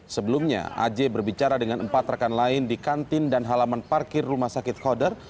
sebelumnya aj berbicara dengan empat rekan lain di kantin dan halaman parkir rumah sakit koder